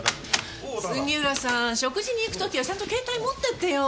杉浦さん食事に行く時はちゃんと携帯持ってってよ！